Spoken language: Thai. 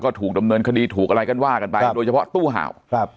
ก็ถูกดำเนินคดีถูกอะไรกันว่ากันไปโดยเฉพาะตู้เห่าครับ